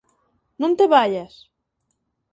Non te vaias!